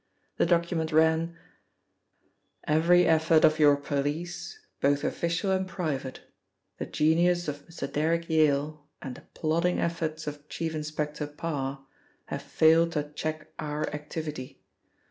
The document ran: 'Every effort of your police, both official and private, the genius of Mr. Derrick Yale, and the plodding efforts of Chief Inspector Parr have failed to check Our activity.